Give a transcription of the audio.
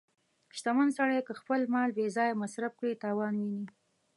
• شتمن سړی که خپل مال بې ځایه مصرف کړي، تاوان ویني.